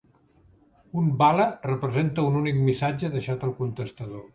Un bala representa un únic missatge deixat al contestador.